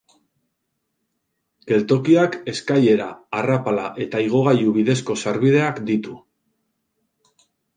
Geltokiak eskailera, arrapala eta igogailu bidezko sarbideak ditu.